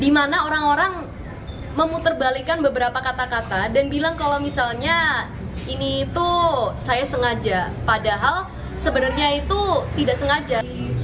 dimana orang orang memutarbalikan beberapa kata kata dan bilang kalau misalnya ini itu saya sengaja padahal sebenarnya itu tidak sengaja